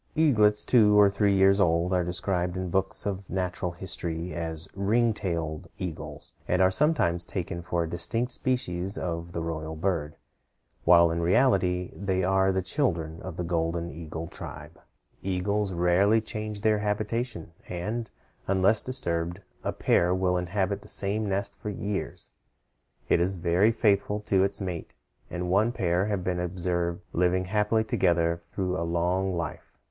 Eaglets two or three years old are described in books of natural history as ring tailed eagles, and are sometimes taken for a distinct species of the royal bird, while in reality they are the children of the golden eagle tribe. Eagles rarely change their habitation, and, unless disturbed, a pair will inhabit the same nest for years. It is very faithful to its mate, and one pair have been observed living happily together through a long life.